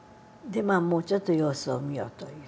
まあもうちょっと様子を見ようという事で。